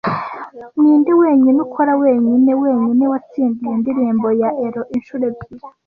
Ninde wenyine ukora wenyine wenyine watsindiye indirimbo ya Euro inshuro ebyiri